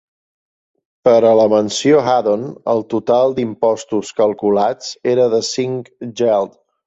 Per a la mansió de Haddon el total d'impostos calculats era de cinc geld.